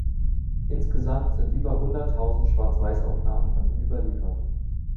Insgesamt sind über hunderttausend Schwarz-Weiß-Aufnahmen von ihm überliefert.